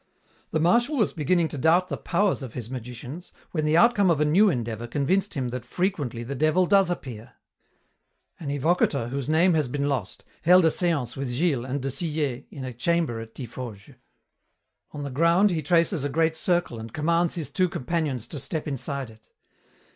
The Marshal was beginning to doubt the powers of his magicians, when the outcome of a new endeavor convinced him that frequently the Devil does appear. An evocator whose name has been lost held a séance with Gilles and de Sillé in a chamber at Tiffauges. On the ground he traces a great circle and commands his two companions to step inside it.